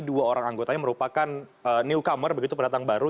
dua orang anggotanya merupakan newcomer begitu pendatang baru